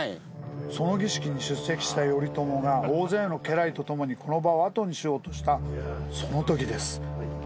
その儀式に出席した頼朝が大勢の家来とともにこの場を後にしようとしたそのときです。